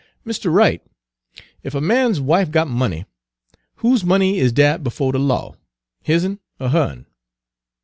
"Mistah Wright, ef a man's wife got money, whose money is dat befo' de law his'n er her'n?"